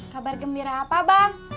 kabar gembira apa bang